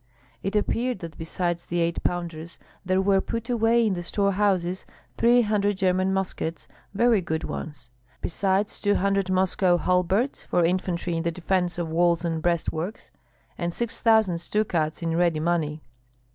It appeared that besides the eight pounders there were put away in the storehouses three hundred German muskets, very good ones; besides two hundred Moscow halberts, for infantry in the defence of walls and breastworks; and six thousand ducats in ready money.